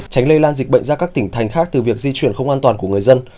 tránh lây lan dịch bệnh ra các tỉnh thành khác từ việc di chuyển không an toàn của người dân